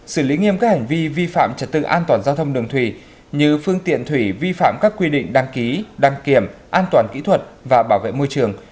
xử lý nghiêm các hành vi vi phạm trật tự an toàn giao thông đường thủy như phương tiện thủy vi phạm các quy định đăng ký đăng kiểm an toàn kỹ thuật và bảo vệ môi trường